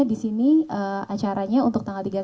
disini acaranya untuk tanggal